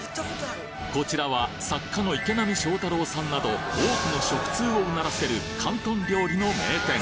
こちらは作家の池波正太郎さんなど多くの食通を唸らせる広東料理の名店！